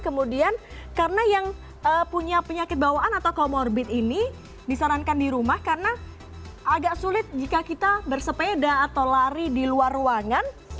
kemudian karena yang punya penyakit bawaan atau comorbid ini disarankan di rumah karena agak sulit jika kita bersepeda atau lari di luar ruangan